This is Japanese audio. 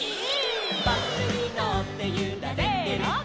「バスにのってゆられてる」せの！